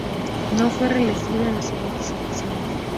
No fue reelegido en las siguientes elecciones.